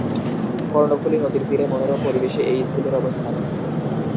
কর্ণফুলি নদীর তীরে মনোরম পরিবেশে এই স্কুলের অবস্থান।